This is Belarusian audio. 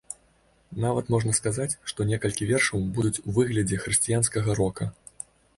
Нават можна сказаць, што некалькі вершаў будуць у выглядзе хрысціянскага рока.